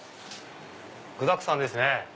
具だくさんですね。